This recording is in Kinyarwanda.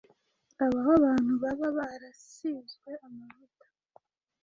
Habaho abantu baba barasizwe amavuta